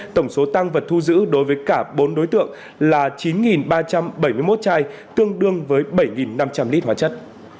tổng số tăng vật thu giữ đối với cả bốn đối tượng là chín ba trăm bảy mươi một chai tương đương với bảy năm trăm linh lít hóa chất